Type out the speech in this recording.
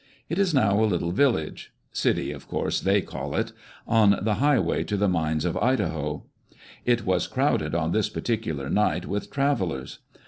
It is now a little village (" city," of course, they call it) on the highway to the mines of Idaho. It was crowded on this particular night with travellers.